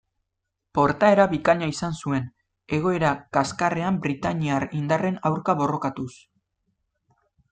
Portaera bikaina izan zuen, egoera kaskarrean britainiar indarren aurka borrokatuz.